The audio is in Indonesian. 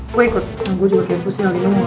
gue ikut gue juga kayak pusnya gue mau nge premain